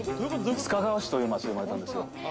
須賀川市という町で生まれたんですよ。